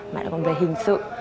mà nó gồm về hình sự